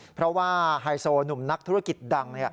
เพราะว่าไฮโซหนุ่มนักธุรกิจดัง